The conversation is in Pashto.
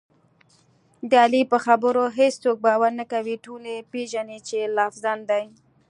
د علي په خبرو هېڅوک باور نه کوي، ټول یې پېژني چې لافزن دی.